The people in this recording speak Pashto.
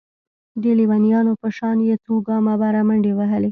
د ليونيانو په شان يې څو ګامه بره منډې وهلې.